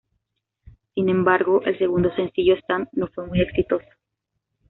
Sin embargo, el segundo sencillo, "Stand", no fue muy exitoso.